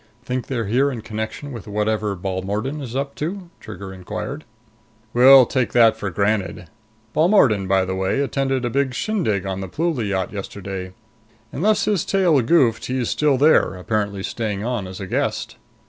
"Think they're here in connection with whatever Balmordan is up to?" Trigger inquired. "We'll take that for granted. Balmordan, by the way, attended a big shindig on the Pluly yacht yesterday. Unless his tail goofed, he's still up there, apparently staying on as a guest."